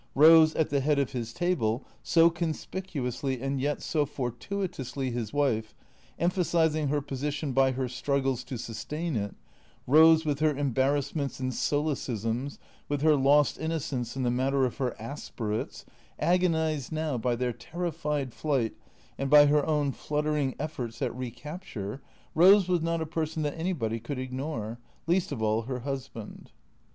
Eose at the head of his table, so conspicuously and yet so for tuitously his wife, emphasizing her position by her struggles to sustain it, Eose with her embarrassments and solecisms, with her lost innocence in the matter of her aspirates, agonized now by their terrified flight and by her own fluttering efforts at re capture, Eose was not a person that anybody could ignore, least of all her husband.